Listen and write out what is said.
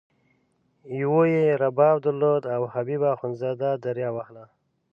یوه یې رباب درلود او حبیب اخندزاده دریا وهله.